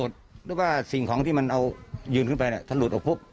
หรือว่าสิ่งของที่มันเอายืนขึ้นไปถ้าหลุดออกปุ๊บ